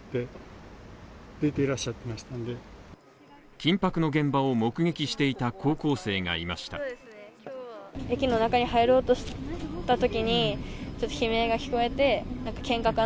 緊迫の現場を目撃していた高校生がいました騒然とする現場。